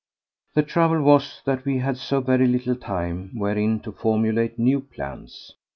The trouble was that we had so very little time wherein to formulate new plans.